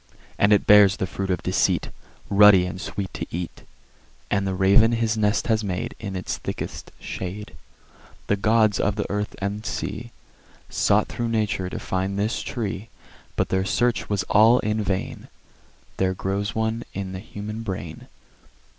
And it bears the fruit of Deceit, Ruddy and sweet to eat; And the Raven his nest has made In its thickest shade. The Gods of the earth and sea Sought thro' Nature to find this Tree; But their search was all in vain: There grows one in the Human Brain.